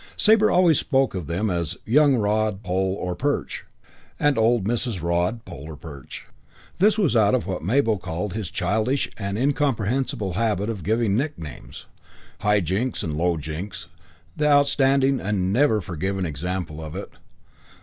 Sabre always spoke of them as "Young Rod, Pole or Perch" and "Old Mrs. Rod, Pole or Perth." This was out of what Mabel called his childish and incomprehensible habit of giving nicknames, High Jinks and Low Jinks the outstanding and never forgiven example of it.